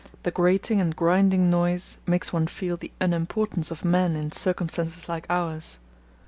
The grating and grinding noise makes one feel the unimportance of man in circumstances like ours.